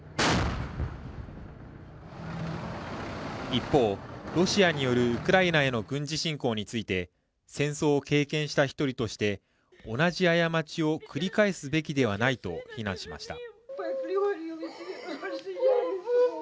一方、ロシアによるウクライナへの軍事侵攻について戦争を経験した１人として同じ過ちを繰り返すべきではないと非難しました。